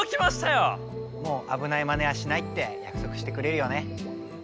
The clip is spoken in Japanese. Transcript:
もうあぶないマネはしないってやくそくしてくれるよね？